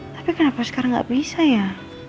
tapi kenapa sekarang nggak bisa ya